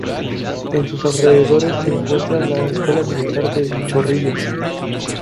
En sus alrededores se encuentra la Escuela Militar de Chorrillos.